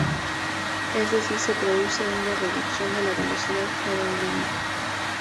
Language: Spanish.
Es decir se produce una reducción de la velocidad aerodinámica.